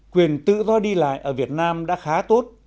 quyền tự do đi lại ở việt nam đã khá tốt